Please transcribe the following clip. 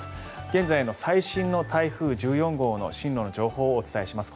現在の最新の台風１４号の進路の情報をお伝えします。